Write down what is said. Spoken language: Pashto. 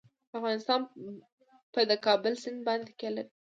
افغانستان په د کابل سیند باندې تکیه لري.